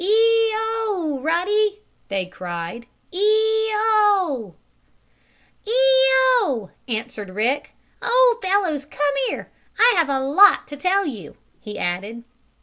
"Ee o, Ruddy! Ee o!" they cried. "Ee o!" answered Rick. "Oh, fellows! Come here! I have such a lot to tell you!" he added.